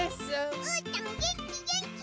うーたんげんきげんき！